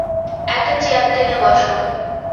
একটা চেয়ার টেনে বসো।